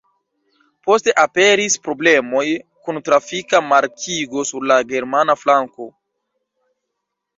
Poste aperis problemoj kun trafika markigo sur la germana flanko.